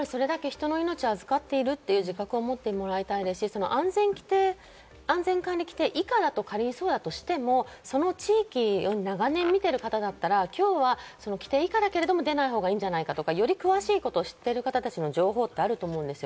人の命を預かっているという自覚を持ってもらいたいですし、安全管理規定以下だとしても、その地域を長年見てる方だったら規定以下だけれども、出ないほうがいいんじゃないかとか、詳しいことを知っている方の情報ってあると思います。